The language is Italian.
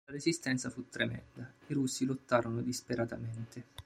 La resistenza fu tremenda; i russi lottarono disperatamente.